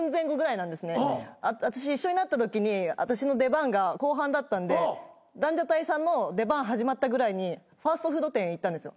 私一緒になったときに私の出番が後半だったんでランジャタイさんの出番始まったぐらいにファストフード店へ行ったんですよ。